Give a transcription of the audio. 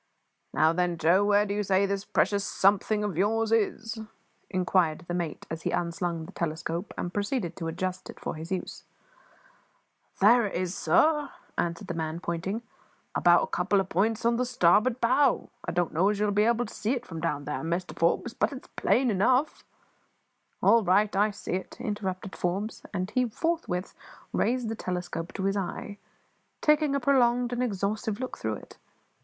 "Now then, Joe, where do you say this precious `something' of yours is?" inquired the mate as he unslung the telescope and proceeded to adjust it for use. "There it is, sir," answered the man, pointing; "about a couple of points on the starboard bow. I don't know as you'll be able to see it from down there, Mr Forbes, but it's plain enough " "All right; I see it," interrupted Forbes; and he forthwith raised the telescope to his eye, taking a prolonged and exhaustive look through it.